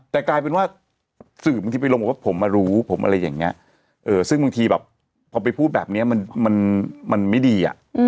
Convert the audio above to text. แต่กลายเป็นว่าสื่อบางทีไปลงบอกว่าผมมารู้ผมอะไรอย่างนี้ซึ่งบางทีแบบพอไปพูดแบบนี้มันไม่ดี